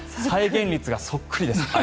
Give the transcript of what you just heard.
再現率がそっくりです。